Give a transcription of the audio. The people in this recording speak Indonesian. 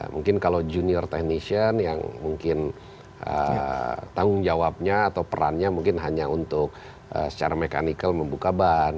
mungkin kalau junior technition yang mungkin tanggung jawabnya atau perannya mungkin hanya untuk secara mekanikal membuka ban